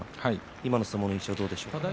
今の相撲の印象どうでしょうか。